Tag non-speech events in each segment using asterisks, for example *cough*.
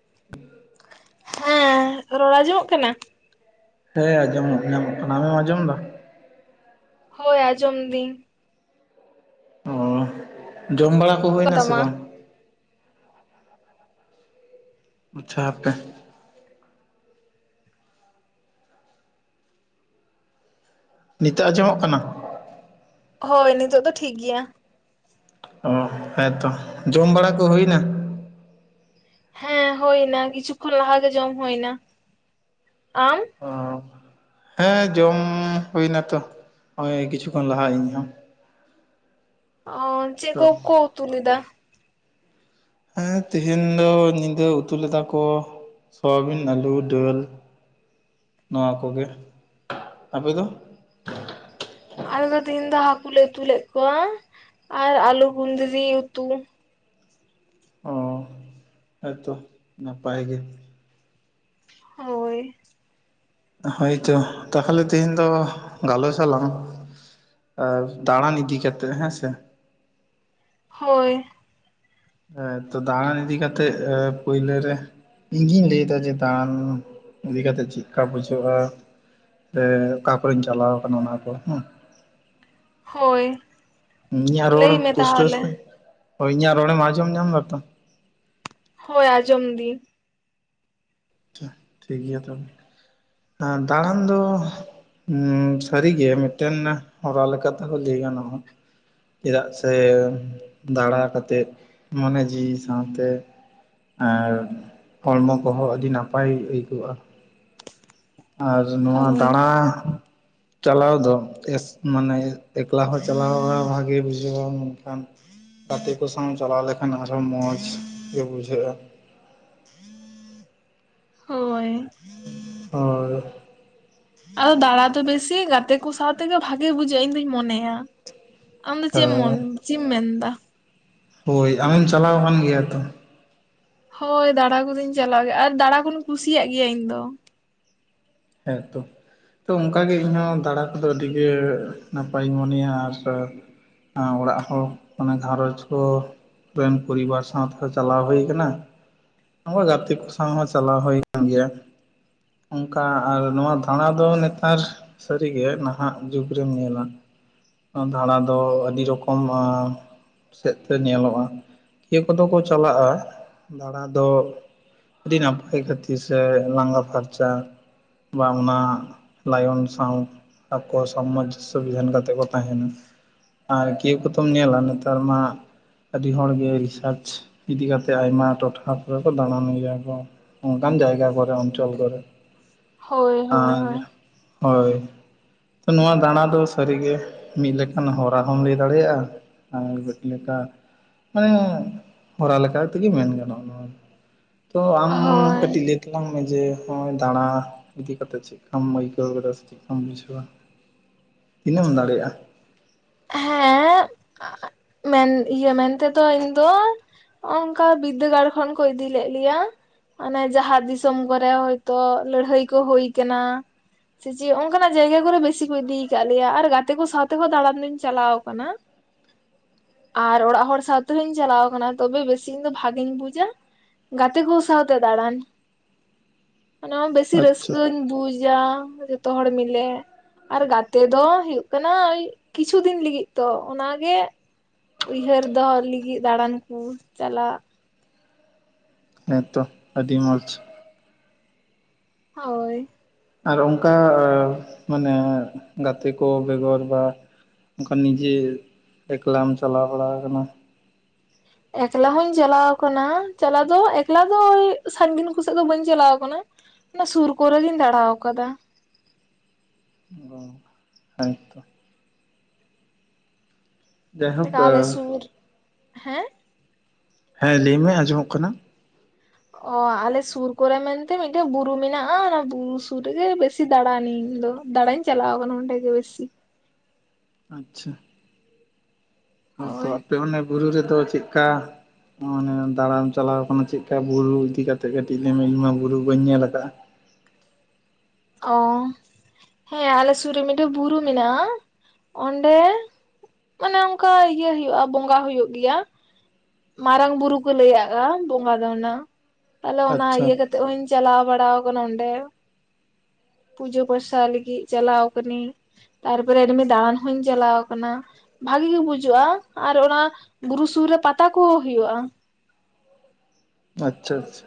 *unintelligible* ᱦᱮᱸ, ᱨᱚᱲ ᱟᱸᱡᱚᱢᱚᱜ ᱠᱟᱱᱟ? ᱦᱮᱸ ᱟᱸᱡᱚᱢ ᱧᱟᱢᱚᱜ ᱠᱟᱱᱟ ᱟᱢᱮᱢ ᱟᱸᱡᱚᱢ ᱫᱟ? ᱦᱳᱭ ᱟᱡᱚᱢ ᱫᱤᱧ᱾ ᱚ ᱡᱚᱢ ᱵᱟᱲᱟ ᱠᱚ ᱚᱠᱟ ᱦᱩᱭᱱᱟ ᱥᱮ ᱛᱟᱢᱟ᱾ ᱵᱟᱝ? ᱟᱪᱪᱷᱟ ᱦᱟᱯᱮ ᱱᱤᱛᱚᱜ ᱟᱡᱚᱢᱚᱜ ᱠᱟᱱᱟ? ᱦᱳᱭ ᱱᱤᱛᱳᱜ ᱫᱚ ᱴᱷᱤᱠ ᱜᱮᱭᱟ᱾ ᱚ ᱦᱮᱸ ᱛᱚ᱾ ᱡᱚᱢ ᱵᱟᱲᱟ ᱠᱚ ᱦᱩᱭᱱᱟ? ᱦᱮᱸ ᱦᱩᱭ ᱱᱟ ᱠᱤᱪᱷᱩ ᱠᱷᱚᱱ ᱞᱟᱦᱟ ᱜᱮ ᱡᱚᱢ ᱦᱩᱭᱱᱟ᱾ ᱟᱢ? ᱚ᱾ ᱦᱮᱸ ᱡᱚᱢ ᱦᱩᱭᱱᱟ ᱛᱚ, ᱦᱚᱜᱼᱚᱭ ᱠᱤᱪᱷᱩ ᱠᱷᱚᱱ ᱞᱟᱦᱟ ᱤᱧ ᱦᱚᱸ᱾ ᱚ ᱪᱮᱫ ᱛᱚ ᱠᱚ ᱠᱚ ᱩᱛᱩ ᱞᱮᱫᱟ? ᱦᱮᱸ ᱛᱮᱦᱮᱧ ᱫᱚ ᱧᱤᱫᱟᱹ ᱩᱛᱩ ᱞᱮᱫᱟ ᱠᱚ ᱥᱚᱣᱟᱵᱤᱱ ᱟᱹᱞᱩ ᱫᱟᱹᱞ᱾ ᱱᱚᱣᱟ ᱠᱚᱜᱮ ᱟᱯᱮ ᱫᱚ? ᱟᱞᱮ ᱫᱚ ᱛᱮᱦᱮᱧ ᱫᱚ ᱦᱟᱹᱠᱩᱞᱮ ᱩᱛᱩ ᱞᱮᱫ ᱠᱚᱣᱟ ᱟᱨ ᱟᱞᱩ ᱜᱩᱫᱽᱨᱤ ᱩᱛᱩ᱾ ᱚ ᱦᱮᱸ ᱛᱚ ᱱᱟᱯᱟᱭ ᱜᱮ᱾ ᱦᱳᱭ᱾ ᱦᱳᱭ ᱛᱚ ᱛᱟᱦᱚᱞᱮ ᱛᱮᱦᱮᱧ ᱫᱚ ᱜᱟᱞᱚᱪ ᱟᱞᱟᱝ᱾ ᱟᱨ ᱫᱟᱬᱟᱱ ᱤᱫᱤ ᱠᱟᱛᱮᱜ ᱦᱮᱸ ᱥᱮ᱾ ᱦᱳᱭ ᱦᱮᱸ ᱛᱚ ᱫᱟᱬᱟᱱ ᱤᱫᱤ ᱠᱟᱛᱮᱜ ᱯᱟᱹᱭᱞᱟᱹ ᱨᱮ ᱤᱧᱜᱤᱧ ᱞᱟᱹᱭᱫᱟ ᱡᱮ ᱫᱟᱬᱟᱱ ᱤᱫᱤ ᱠᱟᱛᱮᱜ ᱪᱮᱜᱠᱟ ᱵᱩᱡᱷᱟᱹᱜ-ᱟ? ᱥᱮ ᱚᱠᱟ ᱠᱚᱨᱮᱧ ᱪᱟᱞᱟᱣ ᱠᱟᱱᱟ ᱚᱱᱟ ᱠᱚ ᱦᱮᱸ ᱦᱳᱭ ᱤᱧᱟᱹᱜ ᱨᱚᱲ ᱞᱟᱹᱭ ᱢᱮ ᱯᱩᱥᱴᱟᱹ ᱛᱟᱦᱚᱞᱮ ᱥᱟᱹᱦᱤᱡ, ᱦᱳᱭ ᱤᱧᱟᱜ ᱨᱚᱲᱮᱢ ᱟᱸᱡᱚᱢ ᱧᱟᱢ ᱫᱟ ᱛᱚ? ᱦᱳᱭ ᱟᱸᱡᱚᱢ ᱫᱤᱧ᱾ ᱴᱷᱤᱠ ᱜᱮᱭᱟ ᱛᱚᱵᱮ ᱟᱨ ᱫᱟᱬᱟᱱ ᱫᱚ ᱦᱩᱸ ᱥᱟᱹᱨᱤᱜᱮ ᱢᱮᱜᱴᱮᱱ ᱦᱚᱨᱟ ᱞᱮᱠᱟᱛᱮ ᱦᱚᱸ ᱞᱟᱹᱭ ᱜᱟᱱᱚᱜ-ᱟ᱾ ᱪᱮᱫᱟᱜ ᱥᱮ ᱫᱟᱬᱟ ᱠᱟᱛᱮᱫ ᱢᱚᱱᱮ ᱡᱤᱣᱤ ᱥᱟᱶᱛᱮ ᱟᱨ ᱦᱚᱲᱢᱚ ᱠᱚᱦᱚᱸ ᱟᱹᱰᱤ ᱱᱟᱯᱟᱭ ᱟᱹᱭᱠᱟᱹᱜ-ᱟ᱾ ᱟᱨ ᱱᱚᱣᱟ ᱦᱳᱭ ᱫᱟᱸᱬᱟ ᱪᱟᱞᱟᱣ ᱫᱚ ᱮᱥ ᱢᱟᱱᱮ ᱮᱠᱞᱟ ᱦᱚᱸ ᱪᱟᱞᱟᱣ ᱵᱟᱲᱟ ᱵᱷᱟᱜᱮ ᱵᱩᱡᱷᱟᱹᱜ-ᱟ ᱢᱮᱱᱠᱷᱟᱱ ᱜᱟᱛᱮ ᱠᱚ ᱥᱟᱶ ᱪᱟᱞᱟᱣ ᱞᱮᱠᱷᱟᱱ ᱟᱨᱚ ᱢᱚᱸᱡᱽ ᱜᱮ ᱵᱩᱡᱷᱟᱹᱜ-ᱟ᱾ ᱦᱳᱭ ᱟᱨ ᱟᱫᱚ ᱫᱟᱬᱟ ᱫᱚ ᱵᱮᱥᱤ ᱜᱟᱛᱮ ᱠᱚ ᱥᱟᱶ ᱛᱮᱜᱮ ᱵᱷᱟᱜᱮ ᱵᱩᱡᱷᱟᱹᱜ-ᱟ ᱤᱧ ᱫᱩᱧ ᱢᱚᱱᱮᱭᱟ᱾ ᱟᱢᱫᱚ ᱪᱮᱜ ᱮᱢ ᱢᱚᱱ ᱦᱮᱸ ᱪᱮᱫ ᱮᱢ ᱢᱮᱱᱫᱟ? ᱦᱳᱭ ᱟᱢᱮᱢ ᱪᱟᱞᱟᱣ ᱟᱠᱟᱱ ᱜᱮᱭᱟ ᱛᱚ? ᱦᱳᱭ ᱫᱟᱬᱟ ᱠᱚᱫᱚᱧ ᱪᱟᱞᱟᱣ ᱜᱮᱭᱟ ᱟᱨ ᱫᱟᱬᱟ ᱠᱩᱧ ᱠᱩᱥᱤᱭᱟᱜ ᱜᱮᱭᱟ ᱤᱧ ᱫᱚ᱾ ᱦᱮᱸ ᱛᱚ ᱛᱚ ᱚᱱᱠᱟᱜᱮ ᱤᱧᱦᱚᱸ ᱫᱟᱬᱟ ᱠᱚᱫᱚ ᱟᱹᱰᱤᱜᱮ ᱱᱟᱯᱟᱭᱤᱧ ᱢᱚᱱᱮᱭᱟ ᱟᱨ ᱚᱲᱟᱜ ᱦᱚᱸ ᱢᱟᱱᱮ ᱜᱷᱟᱨᱚᱸᱡᱽ ᱠᱚ ᱨᱮᱱ ᱯᱚᱨᱤᱵᱟᱨ ᱥᱟᱶ ᱛᱮᱦᱚ ᱪᱟᱞᱟᱣ ᱦᱳᱭ ᱠᱟᱱᱟ, ᱟᱵᱟᱨ ᱜᱟᱛᱮ ᱠᱚ ᱥᱟᱶ ᱦᱚᱸ ᱪᱟᱞᱟᱣ ᱦᱳᱭ ᱠᱟᱱ ᱜᱮᱭᱟ᱾ ᱚᱱᱠᱟ ᱟᱨ ᱱᱚᱣᱟ ᱫᱟᱬᱟ ᱫᱚ ᱱᱮᱛᱟᱨ ᱥᱟᱹᱨᱤ ᱜᱮ ᱱᱟᱦᱟᱜ ᱡᱩᱜᱽ ᱨᱮᱢ ᱧᱮᱞᱟ ᱫᱷᱟᱸᱬᱟ ᱫᱚ ᱟᱹᱰᱤ ᱨᱚᱠᱚᱢ ᱟᱸ ᱥᱮᱫ ᱛᱮ ᱧᱮᱞᱚᱜ-ᱟ ᱤᱭᱟᱹ ᱠᱚᱫᱚ ᱠᱚ ᱪᱟᱞᱟᱜ-ᱟ ᱫᱟᱬᱟ ᱫᱚ ᱟᱹᱰᱤ ᱱᱟᱯᱟᱭ ᱠᱷᱟᱹᱛᱤᱨ ᱥᱮ ᱞᱟᱸᱜᱟ ᱯᱷᱟᱨᱪᱟ᱾ ᱵᱟ ᱚᱱᱟ ᱞᱟᱭᱚᱱ ᱥᱟᱶ ᱟᱠᱚ ᱥᱟᱢᱟᱡᱽ ᱥᱩᱵᱤᱫᱷᱟᱱ ᱠᱟᱛᱮᱫ ᱠᱚ ᱛᱟᱦᱮᱱ᱾ ᱟᱨ ᱠᱤ ᱠᱚᱛᱚᱢ ᱧᱮᱞᱟ ᱱᱮᱛᱟᱨ ᱢᱟ ᱟᱹᱰᱤ ᱦᱚᱲ ᱜᱮ ᱨᱤᱥᱟᱨᱪ ᱤᱫᱤ ᱠᱟᱛᱮᱜ ᱟᱭᱢᱟ ᱴᱚᱴᱷᱟ ᱠᱚᱨᱮ ᱠᱚ ᱫᱟᱬᱟᱱ ᱜᱮᱭᱟ ᱠᱚ᱾ ᱚᱝᱠᱟᱱ ᱡᱟᱭᱜᱟ ᱠᱚᱨᱮ ᱚᱧᱪᱚᱞ ᱠᱚᱨᱮ᱾ ᱦᱳᱭ ᱦᱳᱭ ᱟᱨ ᱦᱳᱭ ᱦᱳᱭ, ᱛᱚ ᱱᱚᱣᱟ ᱫᱟᱬᱟ ᱫᱚ ᱥᱟᱹᱨᱤᱜᱮ ᱢᱤᱜ ᱞᱮᱠᱟᱱ ᱦᱚᱨᱟ ᱦᱚᱢ ᱞᱟᱹᱭ ᱫᱟᱲᱮᱭᱟᱜ-ᱟ᱾ *unintelligible* ᱦᱮᱸ ᱦᱚᱨᱟ ᱞᱮᱠᱟ ᱛᱮᱜᱮ ᱢᱮᱱ ᱜᱟᱱᱚᱜ-ᱟ ᱱᱚᱣᱟ᱾ ᱛᱚ ᱟᱢ ᱦᱳᱭ ᱠᱟᱹᱴᱤᱡ ᱞᱟᱹᱭ ᱛᱟᱞᱟᱝ ᱢᱮ ᱡᱮ ᱦᱚᱸᱜ-ᱚᱭ ᱫᱟᱬᱟ ᱤᱫᱤ ᱠᱟᱛᱮᱫ ᱪᱮᱫᱠᱟᱢ ᱟᱹᱭᱠᱟᱹᱣ ᱠᱮᱫᱟ ᱥᱮ ᱪᱮᱜᱠᱟᱢ ᱵᱩᱡᱷᱟᱹᱣᱟ ᱛᱤᱱᱟᱹᱜ ᱮᱢ ᱫᱟᱲᱮᱭᱟᱜ-ᱟ, ᱦᱮᱸ ᱢᱮᱱ ᱤᱭᱟᱹ ᱢᱮᱱᱛᱮᱫᱚ ᱤᱧ ᱫᱚ ᱚᱝᱠᱟ ᱵᱤᱫᱫᱟᱹᱜᱟᱲ ᱠᱷᱚᱱ ᱠᱚ ᱤᱫᱤ ᱞᱮᱫ ᱞᱮᱭᱟ, ᱚᱱᱮ ᱡᱟᱦᱟᱸ ᱫᱤᱥᱚᱢ ᱠᱚᱨᱮ ᱦᱳᱭᱛᱚ ᱞᱟᱹᱲᱦᱟᱹᱭ ᱠᱚ ᱦᱳᱭ ᱠᱟᱱᱟ, ᱥᱮᱪᱮ ᱚᱝᱠᱟᱱᱟᱜ ᱡᱟᱭᱜᱟ ᱠᱚᱨᱮ ᱵᱤᱥᱤ ᱠᱚ ᱤᱫᱤᱭ ᱠᱟᱜ ᱞᱮᱭᱟ, ᱟᱨ ᱜᱟᱛᱮ ᱠᱚ ᱥᱟᱶᱛᱮᱦᱚᱸ ᱫᱟᱬᱟᱱ ᱫᱩᱧ ᱪᱟᱞᱟᱣ ᱠᱟᱱᱟ ᱾ ᱟᱨ ᱚᱲᱟᱜ ᱦᱚᱲ ᱥᱟᱶᱛᱮᱦᱩᱧ ᱪᱟᱞᱟᱣ ᱟᱠᱟᱱᱟ, ᱛᱚᱵᱮ ᱵᱮᱥᱤ ᱤᱧ ᱫᱚ ᱵᱷᱟᱜᱤᱧ ᱵᱩᱡᱟ ᱜᱟᱛᱮ ᱠᱚ ᱥᱟᱶᱛᱮ ᱫᱟᱬᱟᱱ, ᱚᱱᱟ ᱵᱮᱥᱤ ᱟᱪᱪᱷᱟ ᱨᱟᱹᱥᱠᱟᱹᱧ ᱵᱩᱡ ᱡᱟ ᱡᱚᱛᱚ ᱦᱚᱲ ᱢᱤᱞᱮ ᱟᱨ ᱜᱟᱛᱮ ᱫᱚ ᱦᱩᱭᱩᱜ ᱠᱟᱱᱟ ᱳᱭ ᱠᱤᱪᱷᱩ ᱫᱤᱱ ᱞᱟᱹᱜᱤᱫ ᱛᱚ ᱾ ᱚᱱᱟᱜᱮ ᱩᱭᱦᱟᱹᱨ ᱫᱚᱦᱚ ᱞᱟᱹᱜᱤᱫ ᱫᱟᱬᱟᱱ ᱠᱚ ᱪᱟᱞᱟᱜ ᱦᱮᱸ ᱛᱚ ᱟᱹᱰᱤ ᱢᱚᱡᱽ᱾ ᱦᱳᱭ᱾ ᱟᱨ ᱚᱱᱠᱟ ᱢᱟᱱᱮ ᱜᱟᱛᱮ ᱠᱚ ᱵᱮᱜᱚᱨ ᱫᱚ ᱚᱱᱠᱟ ᱱᱤᱡᱮ ᱮᱠᱞᱟᱢ ᱪᱟᱞᱟᱣ ᱵᱟᱲᱟ ᱠᱟᱱᱟ? ᱮᱠᱞᱟ ᱦᱚᱸᱧ ᱪᱟᱞᱟᱣ ᱠᱟᱱᱟ ᱾ ᱪᱟᱞᱟᱣ ᱫᱚ ᱮᱠᱞᱟ ᱫᱚ ᱳᱭ ᱥᱟᱺᱜᱤᱧ ᱠᱚᱥᱮᱫ ᱫᱚ ᱵᱟᱹᱧ ᱪᱟᱞᱟᱣ ᱠᱟᱱᱟ ᱾ ᱚᱱᱟ ᱥᱩᱨ ᱠᱚᱨᱮ ᱜᱤᱧ ᱫᱟᱬᱟᱣ ᱠᱟᱫᱟ ᱾ ᱦᱩᱸ ᱦᱮ ᱛᱚ᱾ ᱡᱟᱭᱦᱳᱠ ᱚᱱᱠᱟ ᱟᱞᱮ ᱥᱩᱨ ᱦᱮᱸ᱾ ᱦᱮᱸ ᱞᱟᱹᱭ ᱢᱮ ᱟᱸᱡᱚᱢᱚᱜ ᱠᱟᱱᱟ ᱾ ᱚᱻ ᱟᱞᱮ ᱥᱩᱨ ᱠᱚᱨᱮ ᱢᱮᱱᱛᱮ ᱢᱤᱫᱴᱮᱱ ᱵᱩᱨᱩ ᱢᱮᱱᱟᱜᱼᱟ ᱾ ᱚᱱᱟ ᱵᱩᱨᱩ ᱥᱩᱨ ᱨᱮᱜᱮ ᱵᱮᱥ ᱵᱮᱥᱤ ᱫᱟᱲᱟᱱᱟᱹᱧ ᱫᱚ ᱫᱟᱲᱟᱧ ᱪᱟᱞᱟᱣ ᱠᱟᱱᱟ ᱚᱸᱰᱮ ᱜᱮ ᱵᱮᱥᱤ᱾ ᱟᱪᱪᱷᱟ᱾ ᱦᱳᱭᱛᱚ ᱦᱳᱭ ᱟᱯᱮ ᱚᱱᱮ ᱵᱩᱨᱩ ᱨᱮᱫᱚ ᱪᱮᱫᱠᱟ? ᱚᱱᱮ ᱫᱟᱲᱟᱢ ᱪᱟᱞᱟᱣ ᱟᱠᱟᱱᱟ ᱪᱮᱫᱠᱟ ᱵᱩᱨᱩ ᱤᱫᱤ ᱠᱟᱛᱮᱜ ᱠᱟᱹᱴᱤᱡ ᱞᱟᱹᱭᱢᱮ ᱤᱧ ᱢᱟ ᱵᱩᱨᱩ ᱵᱟᱹᱧ ᱧᱮᱞ ᱠᱟᱜᱼᱟ ᱾ ᱚᱻ ᱦᱮᱸ ᱟᱞᱮ ᱥᱩᱨ ᱨᱮ ᱢᱤᱫᱴᱮᱱ ᱵᱩᱨᱩ ᱢᱮᱱᱟᱜᱼᱟ ᱾ ᱚᱸᱰᱮ ᱢᱟᱱᱮ ᱚᱱᱠᱟ ᱤᱭᱟᱹ ᱦᱳᱭᱳᱜᱼᱟ ᱾ ᱵᱚᱸᱜᱟ ᱦᱩᱭᱩᱜ ᱜᱮᱭᱟ ᱾ ᱢᱟᱨᱟᱝ ᱵᱩᱨᱩ ᱠᱚ ᱞᱟᱹᱭ ᱟᱜᱼᱟ ᱾ ᱵᱚᱸᱜᱟ ᱫᱚ ᱚᱱᱟ ᱛᱟᱦᱚᱞᱮ ᱚᱱᱟ ᱟᱪᱪᱷᱟ ᱤᱭᱟᱹ ᱠᱟᱛᱮᱜ ᱦᱚᱧ ᱪᱟᱞᱟᱣ ᱵᱟᱲᱟ ᱠᱟᱱᱟ ᱚᱸᱰᱮ ᱾ ᱯᱩᱡᱟᱹ ᱯᱟᱥᱟ ᱞᱟᱹᱜᱤᱫ ᱪᱟᱞᱟᱣ ᱠᱟᱱᱤᱧ, ᱛᱟᱨᱯᱚᱨᱮ ᱮᱢᱱᱤ ᱫᱟᱬᱟᱱ ᱦᱚᱸᱧ ᱪᱟᱞᱟᱣ ᱠᱟᱱᱟ ᱾ ᱵᱷᱟᱜᱤ ᱜᱤ ᱵᱩᱡᱟᱹᱜᱼᱟ, ᱟᱨ ᱚᱱᱟ ᱵᱩᱨᱩ ᱥᱩᱨ ᱨᱮ ᱯᱟᱛᱟ ᱠᱚ ᱦᱩᱭᱩᱜᱼᱟ ᱾ ᱟᱪᱪᱷᱟ ᱟᱪᱪᱷᱟ᱾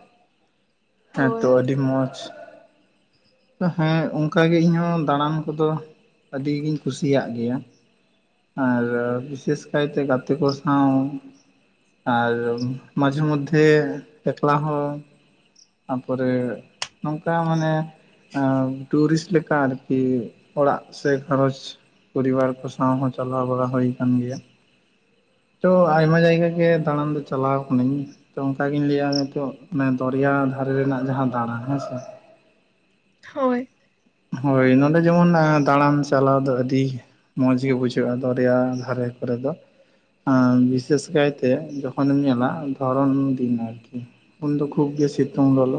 ᱦᱮᱸ ᱦᱳᱭ ᱛᱚ ᱟᱹᱰᱤ ᱢᱚᱸᱡᱽ ᱾ ᱦᱮᱸ ᱚᱱᱠᱟ ᱜᱮ ᱤᱧᱦᱚᱸ ᱫᱟᱬᱟᱱ ᱠᱚᱫᱚ ᱟᱹᱰᱤ ᱜᱤᱧ ᱠᱩᱥᱤᱭᱟᱜ ᱜᱮᱭᱟ ᱾ ᱟᱨ ᱵᱤᱥᱮᱥ ᱠᱟᱭᱛᱮ ᱜᱟᱛᱮ ᱠᱚ ᱥᱟᱶ ᱟᱨ ᱢᱟᱡᱷᱮ ᱢᱚᱫᱫᱷᱮ ᱮᱠᱞᱟ ᱦᱚᱸ ᱾ ᱛᱟᱯᱚᱨᱮ ᱱᱚᱝᱠᱟ ᱢᱟᱱᱮ ᱮᱸ ᱴᱩᱨᱤᱥᱴ ᱞᱮᱠᱟ ᱟᱨᱠᱤ ᱚᱲᱟᱜ ᱥᱮ ᱠᱷᱟᱨᱚᱪ ᱯᱚᱨᱤᱵᱟᱨ ᱠᱚ ᱥᱟᱶ ᱦᱚᱸ ᱪᱟᱞᱟᱣ ᱵᱟᱲᱟ ᱦᱳᱭ ᱠᱟᱱ ᱜᱮᱭᱟ ᱾ ᱛᱚ ᱟᱭᱢᱟ ᱡᱟᱭᱜᱟ ᱜᱮ ᱫᱟᱬᱟᱱ ᱫᱚ ᱪᱟᱞᱟᱣ ᱠᱟᱹᱱᱟᱹᱧ᱾ ᱛᱚ ᱚᱱᱠᱟᱜᱤᱧ ᱞᱟᱹᱭᱟ ᱱᱤᱛᱚᱜ ᱫᱚᱨᱭᱟ ᱫᱷᱟᱨᱮ ᱨᱮᱱᱟᱜ ᱡᱟᱦᱟᱸ ᱫᱟᱬᱟ ᱦᱮᱸᱥᱮ ᱾ ᱦᱳᱭ᱾ ᱦᱳᱭ ᱱᱚᱸᱰᱮ ᱡᱮᱢᱚᱱ ᱫᱟᱬᱟᱱ ᱪᱟᱞᱟᱣ ᱫᱚ ᱟᱹᱰᱤ ᱢᱚᱸᱡᱽ ᱜᱮ ᱵᱩᱡᱷᱟᱹᱜᱼᱟ ᱾ ᱫᱚᱨᱭᱟ ᱫᱷᱟᱨᱮ ᱠᱚᱨᱮ ᱫᱚ ᱚᱸ ᱵᱤᱥᱮᱥ ᱠᱟᱭᱛᱮ ᱡᱚᱠᱷᱚᱱᱮᱢ ᱧᱮᱞᱟ ᱫᱷᱚᱨᱚᱢ ᱫᱤᱱ ᱟᱨᱠᱤ ᱩᱱᱫᱚ ᱠᱷᱩᱵ ᱜᱮ ᱥᱤᱛᱩᱝ ᱞᱚᱞᱚ,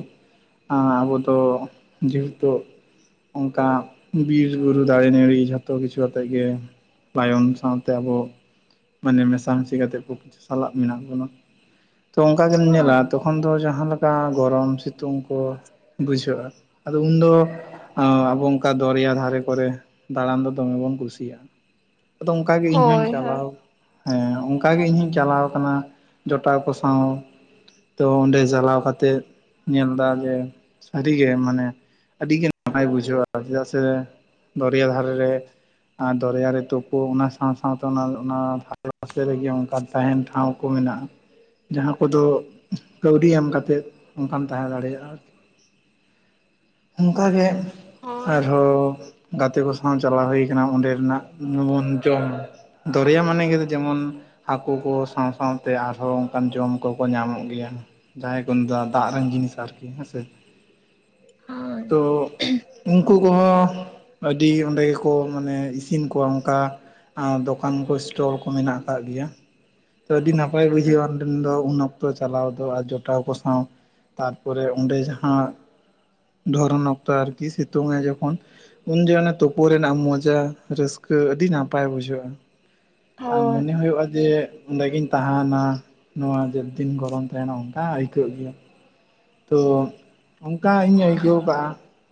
ᱟᱵᱚ ᱫᱚ ᱡᱮᱦᱮᱛᱩ ᱚᱱᱠᱟ ᱵᱤᱨ ᱵᱩᱨᱩ ᱫᱟᱨᱮ ᱱᱟᱹᱲᱤ ᱡᱷᱚᱛᱚ ᱠᱤᱪᱷᱩ ᱟᱛᱮ ᱜᱮ ᱛᱟᱭᱚᱢ ᱥᱟᱶ ᱛᱮ ᱟᱵᱚ ᱢᱟᱱᱮ ᱢᱮᱥᱟᱢᱥᱤ ᱠᱟᱛᱮᱫ ᱠᱚ ᱥᱟᱞᱟᱜ ᱢᱮᱱᱟᱜ ᱵᱚᱱᱟ ᱾ ᱛᱚ ᱚᱱᱠᱟ ᱜᱮᱢ ᱧᱮᱞᱟ ᱦᱳᱭ ᱛᱚᱠᱷᱚᱱ ᱫᱚ ᱡᱟᱦᱟᱸ ᱞᱮᱠᱟ ᱜᱚᱨᱚᱢ ᱥᱤᱛᱩᱝ ᱠᱚ ᱵᱩᱡᱷᱟᱹᱜᱼᱟ ᱾ ᱟᱫᱚ ᱩᱱ ᱫᱚ ᱟ ᱟᱵᱚ ᱚᱱᱠᱟ ᱫᱚᱨᱭᱟ ᱫᱷᱟᱨᱮ ᱠᱚᱨᱮ ᱫᱟᱬᱟᱱ ᱫᱚ ᱫᱚᱢᱮ ᱵᱚᱱ ᱠᱩᱥᱤᱭᱟᱜ-ᱟ, ᱟᱫᱚ ᱚᱝᱠᱟ ᱜᱤ ᱤᱧ ᱦᱚᱧ ᱦᱳᱭ ᱪᱟᱞᱟᱣ ᱦᱮᱸ ᱚᱱᱠᱟ ᱜᱮ ᱤᱧ ᱦᱚᱧ ᱪᱟᱞᱟᱣ ᱟᱠᱟᱱᱟ ᱡᱚᱴᱟᱣ ᱠᱚ ᱥᱟᱶ ᱛᱚ ᱚᱸᱰᱮ ᱪᱟᱞᱟᱣ ᱠᱟᱛᱮᱫ ᱧᱮᱞ ᱮᱫᱟ ᱡᱮ ᱥᱟᱹᱨᱤ ᱜᱮ ᱢᱟᱱᱮ ᱟᱹᱰᱤ ᱜᱟᱱ ᱚᱱᱟᱭ ᱵᱩᱡᱷᱟᱹᱣᱟ ᱪᱮᱫᱟᱜ ᱥᱮ ᱫᱚᱨᱭᱟ ᱫᱷᱟᱨᱮ ᱨᱮ ᱟᱨ ᱫᱚᱨᱭᱟ ᱨᱮ ᱛᱳᱯᱩᱜ ᱚᱱᱟ ᱥᱟᱶ ᱥᱟᱶᱛᱮ ᱚᱱᱟ ᱚᱱᱟ ᱫᱷᱟᱨᱮ ᱯᱟᱥᱮ ᱨᱮᱜᱮ ᱚᱱᱠᱟᱱ ᱛᱟᱦᱮᱱ ᱴᱷᱟᱶ ᱠᱚ ᱢᱮᱱᱟᱜ-ᱟ, ᱡᱟᱦᱟᱸ ᱠᱚᱫᱚ ᱠᱟᱹᱣᱰᱤ ᱮᱢ ᱠᱟᱛᱮᱫ ᱚᱱᱠᱟᱢ ᱛᱟᱦᱮᱸ ᱫᱟᱲᱮᱭᱟᱜ-ᱟ ᱚᱱᱠᱟᱜᱮ ᱦᱳᱭ ᱟᱨᱦᱚᱸ ᱜᱟᱛᱮ ᱠᱚ ᱥᱟᱶ ᱪᱟᱞᱟᱣ ᱦᱩᱭ ᱟᱠᱟᱱᱟ ᱚᱸᱰᱮᱱᱟᱜ ᱧᱩ ᱡᱚᱢ ᱫᱚᱨᱭᱟ ᱢᱟᱱᱮ ᱜᱮ ᱫᱚ ᱡᱮᱢᱚᱱ ᱦᱟᱹᱠᱩ ᱠᱩ ᱥᱟᱶ ᱥᱟᱶᱛᱮ ᱟᱨᱦᱚᱸ ᱚᱱᱠᱟᱱ ᱡᱚᱢ ᱠᱚᱠᱚ ᱧᱟᱢᱚᱜ ᱜᱮᱭᱟ, ᱡᱟᱦᱟᱸᱭ *inaudible* ᱫᱟᱜ ᱫᱟᱜ ᱨᱮᱱ ᱡᱤᱱᱤᱥ ᱟᱨᱠᱤ ᱦᱮᱸ ᱥᱮ, ᱦᱳᱭ ᱛᱚ ᱩᱱᱠᱩ ᱠᱚᱦᱚᱸ ᱟᱹᱰᱤ ᱚᱸᱰᱮ ᱜᱮᱠᱚ ᱢᱟᱱᱮ ᱤᱥᱤᱱ ᱠᱚᱣᱟ ᱚᱱᱠᱟ ᱟ ᱫᱚᱠᱟᱱ ᱠᱚ ᱥᱴᱚᱞ ᱠᱚ ᱢᱮᱱᱟᱜ ᱟᱠᱟᱫ ᱜᱮᱭᱟ᱾ ᱛᱚ ᱟᱹᱰᱤ ᱱᱟᱯᱟᱭ ᱵᱩᱡᱷᱟᱹᱜ-ᱟ ᱚᱸᱰᱮᱱ ᱫᱚ ᱩᱱ ᱚᱠᱛᱚ ᱪᱟᱞᱟᱣ ᱫᱚ ᱟᱨ ᱡᱚᱴᱟᱣ ᱠᱚ ᱥᱟᱶ, ᱛᱟᱨᱯᱚᱨᱮ ᱚᱸᱰᱮ ᱡᱟᱦᱟᱸ ᱫᱷᱚᱨᱚᱱ ᱚᱠᱛᱚ ᱟᱨᱠᱤ ᱥᱤᱛᱩᱝ ᱟᱭ ᱡᱚᱠᱷᱚᱱ ᱩᱱ ᱡᱮᱦᱚᱜ ᱛᱩᱯᱩ ᱨᱮᱱᱟᱜ ᱢᱚᱡᱟ ᱨᱟᱹᱥᱠᱟᱹ ᱟᱹᱰᱤ ᱱᱟᱯᱟᱭ ᱵᱩᱡᱷᱟᱹᱜ-ᱟ, ᱟᱨ ᱦᱳᱭ ᱢᱚᱱᱮ ᱦᱳᱭᱳᱜ-ᱟ ᱡᱮ ᱚᱸᱰᱮ ᱜᱮᱧ ᱛᱟᱦᱮᱱᱟ ᱱᱚᱣᱟ ᱡᱮᱫ ᱫᱤᱱ ᱜᱚᱨᱚᱢ ᱛᱟᱦᱮᱱᱟ ᱚᱱᱠᱟ ᱟᱹᱭᱠᱟᱹᱜ ᱜᱮᱭᱟ, ᱛᱚ ᱚᱱᱠᱟ ᱤᱧ ᱟᱹᱭᱠᱟᱹᱣ ᱠᱟᱜ-ᱟ,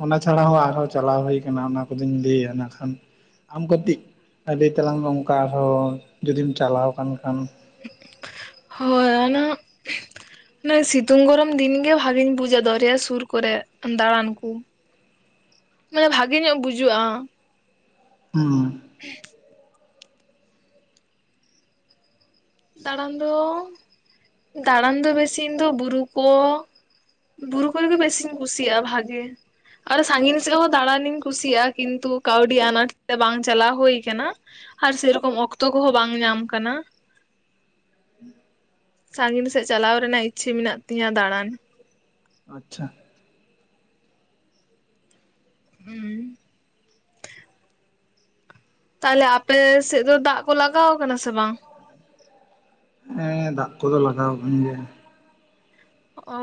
ᱚᱱᱟ ᱪᱷᱟᱲᱟ ᱦᱚᱸ ᱟᱨᱦᱚᱸ ᱪᱟᱞᱟᱣ ᱦᱩᱭ ᱟᱠᱟᱱᱟ ᱚᱱᱟ ᱠᱚ ᱫᱚᱧ ᱞᱟᱹᱭᱟ ᱚᱱᱟ ᱠᱷᱟᱱ ᱟᱢ ᱠᱟᱹᱴᱤᱡ ᱞᱟᱹᱭ ᱛᱟᱞᱟᱝ ᱢᱮ ᱚᱱᱠᱟ ᱟᱨᱦᱚᱸ ᱡᱚᱫᱤᱢ ᱪᱟᱞᱟᱣ ᱟᱠᱟᱱ ᱠᱷᱟᱱ? *inaudible* ᱱᱮ ᱥᱤᱛᱩᱝ ᱜᱚᱨᱚᱢ ᱫᱤᱱ ᱜᱮ ᱵᱷᱟᱜᱤᱧ ᱵᱩᱡᱟ ᱫᱚᱨᱭᱟ ᱥᱩᱨ ᱠᱚᱨᱮ ᱫᱟᱬᱟᱱ ᱠᱩ, ᱢᱟᱱᱮ ᱵᱷᱟᱜᱮ ᱧᱚᱜ ᱵᱩᱡᱩᱜ-ᱟ᱾ ᱦᱩᱸ *inaudible* ᱫᱟᱬᱟᱱ ᱫᱚ ᱫᱟᱬᱟᱱ ᱫᱚ ᱵᱮᱥᱤ ᱤᱧᱫᱚ ᱵᱩᱨᱩ ᱠᱚ ᱵᱩᱨᱩ ᱠᱚᱨᱮᱜ ᱵᱮᱥᱤᱧ ᱠᱩᱥᱤᱭᱟᱜ-ᱟ ᱵᱷᱟᱜᱮ, ᱟᱨ ᱥᱟᱺᱜᱤᱧ ᱥᱮᱫ ᱦᱚᱸ ᱫᱟᱬᱟᱱᱤᱧ ᱠᱩᱥᱤᱭᱟᱜ-ᱟ ᱠᱤᱱᱛᱩ ᱠᱟᱹᱣᱰᱤ ᱟᱱᱟᱴ ᱛᱮ ᱵᱟᱝ ᱪᱟᱞᱟᱣ ᱦᱩᱭ ᱠᱟᱱᱟ, ᱟᱨ ᱥᱮᱨᱚᱠᱚᱢ ᱚᱠᱛᱚ ᱠᱚᱦᱚᱸ ᱵᱟᱝ ᱧᱟᱢ ᱠᱟᱱᱟ, ᱥᱟᱺᱜᱤᱧ ᱥᱮᱫ ᱪᱟᱞᱟᱣ ᱨᱮᱱᱟᱜ ᱤᱪᱪᱷᱟᱹ ᱢᱮᱱᱟᱜ ᱛᱤᱧᱟᱹ ᱫᱟᱬᱟᱱ᱾ ᱟᱪᱪᱷᱟ, *inaudible* ᱛᱟᱦᱚᱞᱮ ᱟᱯᱮ ᱥᱮᱫ ᱫᱚ ᱫᱟᱜ ᱠᱚ ᱞᱟᱜᱟᱣ ᱠᱟᱱᱟ ᱥᱮ ᱵᱟᱝ? ᱦᱮᱸ ᱫᱟᱜ ᱠᱚᱫᱚ ᱞᱟᱜᱟᱣ ᱟᱠᱟᱱ ᱜᱮᱭᱟ᱾ ᱚᱻ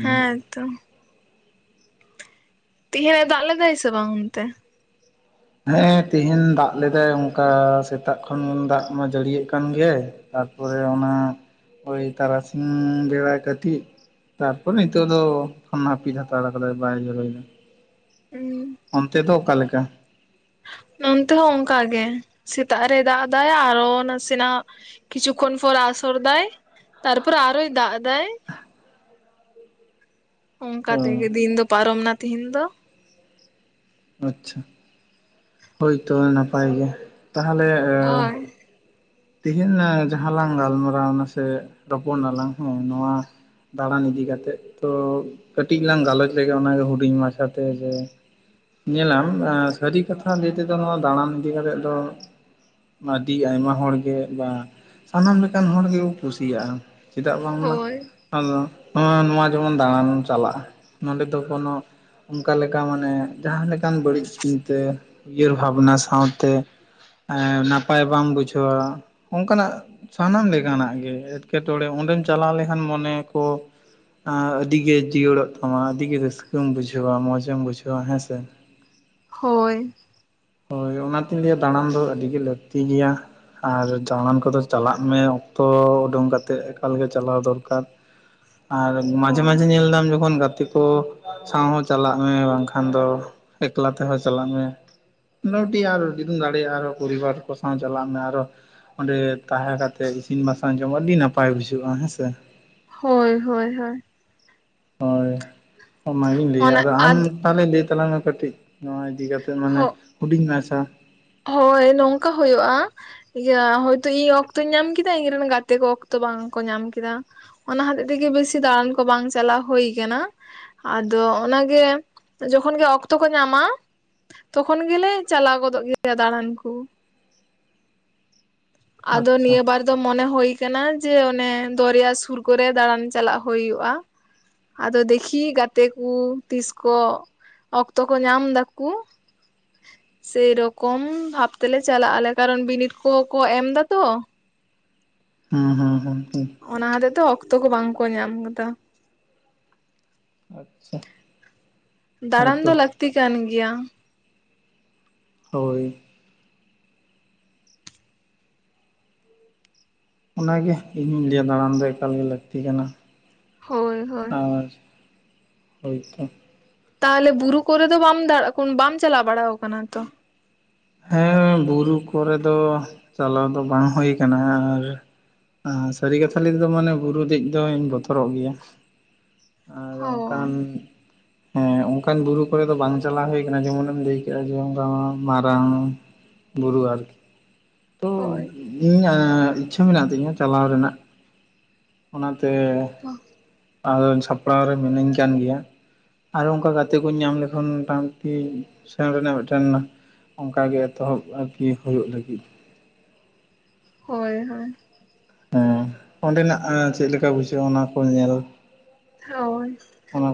ᱦᱮᱸ ᱛᱚ, ᱛᱤᱦᱮᱧ ᱮ ᱫᱟᱜ ᱞᱮᱫᱟᱭ ᱥᱮ ᱵᱟᱝ ᱚᱱᱛᱮ? ᱦᱮᱸ ᱛᱮᱦᱮᱧ ᱫᱟᱜ ᱞᱮᱫᱟᱭ ᱚᱱᱠᱟ ᱥᱮᱛᱟᱜ ᱠᱷᱚᱱ ᱫᱟᱜ ᱢᱟ ᱡᱟᱹᱲᱤᱭᱮᱫ ᱠᱟᱱ ᱜᱮᱭᱟᱭ, ᱛᱟᱨᱯᱚᱨᱮ ᱚᱱᱟ ᱳᱭ ᱛᱟᱨᱟᱥᱤᱧ ᱵᱮᱲᱟ ᱠᱟᱹᱴᱤᱡ ᱛᱟᱨᱯᱚᱨ ᱱᱤᱛᱚᱜ ᱫᱚ ᱱᱟᱯᱤᱛ ᱦᱟᱛᱟᱲ ᱟᱠᱟᱫᱟᱭ ᱵᱟᱭ ᱡᱚᱨᱚᱮᱫᱟ᱾ ᱚᱱᱛᱮ ᱫᱚ ᱚᱠᱟ ᱞᱮᱠᱟ? ᱱᱚᱱᱛᱮ ᱦᱚᱸ ᱚᱝᱠᱟ ᱜᱮ ᱥᱮᱛᱟᱜ ᱨᱮᱭ ᱫᱟᱜᱫᱟᱭ ᱟᱨᱚ ᱱᱟᱥᱮᱱᱟᱜ ᱠᱤᱪᱷᱩ ᱠᱷᱚᱱ ᱯᱚᱨ ᱟᱥᱚᱨ ᱫᱟᱭ ᱛᱟᱨᱯᱚᱨ ᱟᱨᱚᱭ ᱫᱟᱜ ᱫᱟᱭ᱾ ᱚᱝᱠᱟ ᱚ ᱛᱮᱜᱮ ᱫᱤᱱ ᱫᱚ ᱯᱟᱨᱚᱢᱱᱟ ᱛᱮᱦᱤᱧ ᱫᱚ᱾ ᱟᱪᱪᱷᱟ ᱦᱳᱭ ᱛᱚᱵᱮ ᱱᱟᱯᱟᱭ ᱜᱮ, ᱛᱟᱦᱞᱮ ᱚᱭ ᱛᱮᱦᱮᱧ ᱮᱸ ᱡᱟᱦᱟᱸ ᱞᱟᱝ ᱜᱟᱞᱢᱟᱨᱟᱣᱱᱟ ᱥᱮ ᱨᱚᱯᱚᱲ ᱱᱟᱞᱟᱝ ᱦᱚᱸ ᱱᱚᱣᱟ ᱫᱟᱬᱟᱱ ᱤᱫᱤ ᱠᱟᱛᱮᱜ, ᱛᱚ ᱠᱟᱹᱴᱤᱡ ᱞᱟᱝ ᱜᱟᱞᱚᱪ ᱞᱮᱜᱮ ᱚᱱᱟᱜᱮ ᱦᱩᱰᱤᱧ ᱢᱟᱪᱷᱟ ᱛᱮ ᱡᱮ ᱧᱮᱞᱟᱢ ᱮᱸ ᱥᱟᱹᱨᱤ ᱠᱟᱛᱷᱟ ᱞᱟᱹᱭ ᱛᱮᱫᱚ ᱱᱚᱣᱟ ᱫᱟᱬᱟᱱ ᱤᱫᱤ ᱠᱟᱛᱮᱜ ᱫᱚ ᱚᱱᱟ ᱫᱤ ᱟᱭᱢᱟ ᱦᱚᱲ ᱜᱮ ᱵᱟᱝ ᱥᱟᱱᱟᱢ ᱞᱮᱠᱟᱱ ᱦᱚᱲ *unintelligible* ᱠᱩᱥᱤᱭᱟᱜᱼᱟ, ᱪᱮᱫᱟᱜ ᱵᱟᱝᱢᱟ ᱦᱳᱭ *unintelligible* ᱱᱚ ᱱᱚᱣᱟ ᱡᱮᱢᱚᱱ ᱫᱟᱬᱟᱱᱮᱢ ᱪᱟᱞᱟᱜᱼᱟ ᱱᱚᱸᱰᱮ ᱫᱚ ᱠᱚᱱᱚ ᱚᱝᱠᱟ ᱞᱮᱠᱟ ᱢᱟᱱᱮ ᱡᱟᱦᱟᱸ ᱞᱮᱠᱟᱱ ᱵᱟᱹᱲᱤᱡ ᱪᱤᱱᱛᱟᱹ ᱩᱭᱦᱟᱹᱨ ᱵᱷᱟᱵᱽᱱᱟ ᱥᱟᱶᱛᱮ ᱮᱸ ᱱᱟᱯᱟᱭ ᱵᱟᱢ ᱵᱩᱡᱷᱟᱹᱣᱟ᱾ ᱚᱝᱠᱟᱱᱟᱜ ᱥᱟᱱᱟᱢ ᱞᱮᱠᱟᱱᱟᱜ ᱜᱮ ᱮᱴᱠᱮᱴᱚᱬᱮ ᱚᱸᱰᱮᱢ ᱪᱟᱞᱟᱣ ᱞᱮᱠᱷᱟᱱ ᱢᱚᱱᱮ ᱠᱚ ᱟᱸ ᱟᱹᱰᱤ ᱜᱮ ᱡᱤᱭᱟᱹᱲᱚᱜ ᱛᱟᱢᱟ ᱟᱹᱰᱤ ᱜᱮ ᱨᱟᱹᱥᱠᱟᱹᱢ ᱵᱩᱡᱷᱟᱹᱣᱟ ᱢᱚᱸᱡᱮᱢ ᱵᱩᱡᱷᱟᱹᱣᱟ ᱦᱮᱸᱥᱮ᱾ ᱦᱳᱭ᱾ ᱦᱳᱭ ᱚᱱᱟᱛᱤᱧ ᱞᱟᱹᱭᱟ ᱫᱟᱬᱟᱱ ᱫᱚ ᱟᱹᱰᱤᱜᱮ ᱞᱟᱹᱠᱛᱤ ᱜᱮᱭᱟ᱾ ᱟᱨ ᱡᱟᱬᱟᱱ ᱠᱚᱫᱚ ᱪᱟᱞᱟᱜ ᱢᱮ ᱚᱠᱛᱚ ᱩᱰᱳᱝ ᱠᱟᱛᱮᱜ ᱮᱠᱟᱞᱜᱮ ᱪᱟᱞᱟᱣ ᱫᱚᱨᱠᱟᱨ᱾ ᱟᱨ ᱢᱟᱡᱮ ᱦᱳᱭ ᱢᱟᱡᱮ ᱧᱮᱞ ᱫᱟᱢ ᱡᱚᱠᱷᱚᱱ ᱜᱟᱛᱮ ᱠᱚ ᱥᱟᱶ ᱦᱚᱸ ᱪᱟᱞᱟᱜ ᱢᱮ ᱵᱟᱝᱠᱷᱟᱱ ᱫᱚ ᱮᱠᱞᱟ ᱛᱮᱦᱚᱸ ᱪᱟᱞᱟᱜ ᱢᱮ᱾ ᱱᱚᱰᱤ ᱟᱨ ᱡᱩᱫᱤᱢ ᱫᱟᱲᱮᱭᱟᱜᱼᱟ ᱟᱨᱚ ᱯᱚᱨᱤᱵᱟᱨ ᱠᱚ ᱥᱟᱶ ᱪᱟᱞᱟᱜ ᱢᱮ ᱟᱨᱚ᱾ ᱚᱸᱰᱮ ᱛᱟᱦᱮᱸ ᱠᱟᱛᱮᱜ ᱤᱥᱤᱱ ᱵᱟᱥᱟᱝ ᱡᱚᱢ ᱟᱹᱰᱤ ᱱᱟᱯᱟᱭ ᱵᱩᱡᱷᱟᱹᱜᱼᱟ ᱦᱮᱸᱥᱮ᱾ ᱦᱳᱭ ᱦᱳᱭ ᱦᱳᱭ᱾ ᱦᱳᱭ᱾ ᱚᱱᱟᱜᱤᱧ ᱞᱟᱹᱭᱟ ᱚᱱᱟ ᱟᱫᱚ ᱟᱢ ᱟᱫ ᱛᱟᱦᱞᱮ ᱞᱟᱹᱭ ᱛᱟᱞᱟᱝ ᱢᱮ ᱠᱟᱹᱴᱤᱡ ᱱᱚᱣᱟ ᱤᱫᱤ ᱠᱟᱛᱮ ᱢᱟᱱᱮ ᱦᱚᱸ ᱦᱩᱰᱤᱧ ᱢᱟᱪᱷᱟ᱾ ᱦᱳᱭ ᱱᱚᱝᱠᱟ ᱦᱩᱭᱩᱜᱼᱟ ᱤᱭᱟᱹ ᱦᱚᱭᱛᱚ ᱤᱧ ᱚᱠᱛᱚᱧ ᱧᱟᱢ ᱠᱮᱫᱟ ᱤᱧ ᱨᱮᱱ ᱜᱟᱛᱮ ᱠᱚ ᱚᱠᱛᱚ ᱵᱟᱝ ᱠᱚ ᱧᱟᱢ ᱠᱮᱫᱟ᱾ ᱚᱱᱟ ᱦᱚᱛᱮᱡ ᱛᱮᱜᱮ ᱵᱮᱥᱤ ᱫᱟᱬᱟᱱ ᱠᱚ ᱵᱟᱝ ᱪᱟᱞᱟᱣ ᱦᱩᱭ ᱠᱟᱱᱟ᱾ ᱟᱫᱚ ᱚᱱᱟᱜᱮ ᱡᱚᱠᱷᱚᱱ ᱜᱮ ᱚᱠᱛᱚ ᱠᱚ ᱧᱟᱢᱟ ᱛᱚᱠᱷᱚᱱ ᱜᱮᱞᱮ ᱪᱟᱞᱟᱣ ᱜᱚᱫᱚᱜ ᱜᱮ ᱭᱟ ᱫᱟᱬᱟᱱ ᱠᱩ, ᱟᱫᱚ ᱟᱪᱪᱷᱟ ᱱᱤᱭᱟᱹ ᱵᱟᱨ ᱫᱚ ᱢᱚᱱᱮ ᱦᱳᱭ ᱠᱟᱱᱟ ᱡᱮ ᱚᱱᱮ ᱫᱚᱨᱭᱟ ᱥᱩᱨ ᱠᱚᱨᱮ ᱫᱟᱬᱟᱱ ᱪᱟᱞᱟᱜ ᱦᱩᱭᱩᱜᱼᱟ᱾ ᱟᱫᱚ ᱫᱮᱠᱷᱤ ᱜᱟᱛᱮ ᱠᱩ ᱛᱤᱥ ᱠᱚ ᱚᱠᱛᱚ ᱠᱚ ᱧᱟᱢ ᱫᱟᱠᱩ, ᱥᱮ ᱨᱚᱠ ᱠᱚᱢ ᱵᱷᱟᱵᱽ ᱛᱮᱞᱮ ᱪᱟᱞᱟᱜ ᱟᱞᱮ ᱠᱟᱨᱚᱱ ᱵᱤᱱᱤᱰ ᱠᱚᱦᱚᱸ ᱠᱚ ᱮᱢᱫᱟ ᱛᱚ᱾ ᱦᱩᱸ ᱦᱩᱸ ᱦᱩᱸ ᱦᱩᱸ᱾ ᱚᱱᱟ ᱦᱚᱛᱮᱡ ᱛᱚ ᱚᱠᱛᱚ ᱠᱚ ᱵᱟᱝᱠᱚ ᱧᱟᱢ ᱠᱟᱫᱟ᱾ ᱟᱪᱪᱷᱟ᱾ ᱫᱟᱬᱟᱱ ᱫᱚ ᱦᱮᱸᱛᱚ ᱞᱟᱹᱠᱛᱤ ᱠᱟᱱ ᱜᱮᱭᱟ᱾ ᱦᱳᱭ᱾ ᱚᱱᱟᱜᱮ ᱤᱧ ᱦᱚᱸᱧ ᱞᱟᱹᱭᱟ ᱫᱟᱬᱟᱱ ᱫᱚ ᱮᱠᱟᱞ ᱜᱮ ᱞᱟᱹᱠᱛᱤ ᱠᱟᱱᱟ᱾ ᱦᱳᱭ ᱦᱳᱭ ᱟᱨ ᱦᱚᱭᱛᱚ ᱛᱟᱦᱞᱮ ᱵᱩᱨᱩ ᱠᱚᱨᱮ ᱫᱚ ᱵᱟᱢ ᱫᱟᱲᱟ ᱵᱟᱢ ᱪᱟᱞᱟᱣ ᱠᱟᱱᱟ ᱛᱚ? ᱦᱮᱸ ᱵᱩᱨᱩ ᱠᱚᱨᱮ ᱫᱚ ᱪᱟᱞᱟᱣ ᱫᱚ ᱵᱟᱝ ᱦᱩᱭ ᱠᱟᱱᱟ ᱦᱟᱸᱜ ᱟᱨ ᱟᱸ ᱥᱟᱹᱨᱤ ᱠᱟᱛᱷᱟ ᱞᱟ. ᱭ ᱛᱮᱫᱚ ᱢᱟᱱᱮ ᱵᱩᱨᱩ ᱫᱮᱡ ᱫᱚᱧ ᱵᱚᱛᱚᱨᱚᱜ ᱜᱮᱭᱟ᱾ ᱟᱨ ᱚᱱᱠᱟᱱ ᱦᱚᱸ ᱦᱮᱸ ᱚᱱᱠᱟᱱ ᱵᱩᱨᱩ ᱠᱚᱨᱮ ᱫᱚ ᱵᱟᱝ ᱪᱟᱞᱟᱣ ᱦᱩᱭ ᱠᱟᱱᱟ ᱡᱮᱢᱚᱱᱮ ᱮᱢ ᱞᱟᱹᱭ ᱠᱮᱫᱟ *unintelligible* ᱵᱟᱝ ᱵᱩᱨᱩ ᱟᱨᱠᱤ ᱛᱚ ᱦᱳᱭ ᱤᱧᱟᱜ ᱤᱪᱪᱷᱟᱹ ᱢᱮᱱᱟᱜ ᱛᱤᱧᱟᱹ, ᱪᱟᱞᱟᱣ ᱨᱮᱱᱟᱜ ᱚᱱᱟᱛᱮ ᱟᱫᱚ ᱪᱷᱟᱯᱲᱟᱣ ᱨᱮ ᱢᱤᱱᱟᱹᱧ ᱠᱟᱱ ᱜᱮᱭᱟ, ᱟᱨᱚ ᱚᱱᱠᱟ ᱜᱟᱛᱮ ᱠᱚᱧ ᱧᱟᱢ ᱞᱮᱠᱷᱟᱱ ᱢᱴᱟᱢᱩᱴᱤ ᱥᱮᱱ ᱨᱮᱱᱟᱜ ᱢᱤᱫᱴᱮᱱ ᱚᱱᱠᱟ ᱜᱮ ᱮᱛᱚᱦᱚᱵ ᱟᱨᱠᱤ ᱦᱩᱭᱩᱜ ᱞᱟᱹᱜᱤᱫ, ᱦᱳᱭ ᱦᱳᱭ ᱦᱮᱸ ᱚᱸᱰᱮᱱᱟᱜ ᱪᱮᱫ ᱞᱮᱠᱟ ᱵᱩᱡᱷᱟᱹᱜᱼᱟ? ᱚᱱᱟ ᱠᱚ ᱧᱮᱞ ᱦᱳᱭ ᱚᱱᱟ